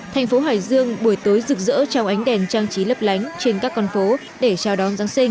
thành phố hải dương buổi tối rực rỡ trao ánh đèn trang trí lấp lánh trên các con phố để chào đón giáng sinh